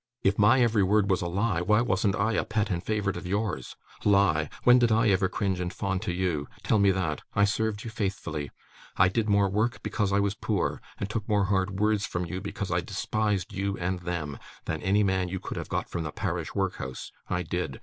If my every word was a lie, why wasn't I a pet and favourite of yours? Lie! When did I ever cringe and fawn to you. Tell me that! I served you faithfully. I did more work, because I was poor, and took more hard words from you because I despised you and them, than any man you could have got from the parish workhouse. I did.